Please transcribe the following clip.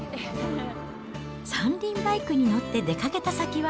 三輪バイクに乗って出かけた先は。